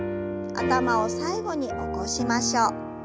頭を最後に起こしましょう。